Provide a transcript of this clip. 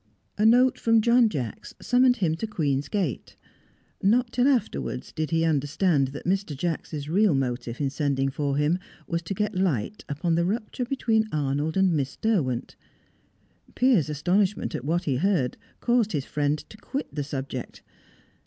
A note from John Jacks summoned him to Queen's Gate. Not till afterwards did he understand that Mr. Jacks' real motive in sending for him was to get light upon the rupture between Arnold and Miss Derwent. Piers' astonishment at what he heard caused his friend to quit the subject.